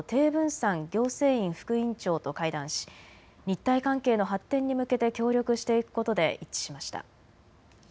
燦行政院副院長と会談し日台関係の発展に向けて協力していくことで一致しました。